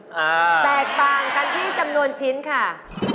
แตกต่างกันที่จำนวนชิ้นค่ะ